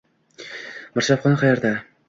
Mirshabxona qayerda?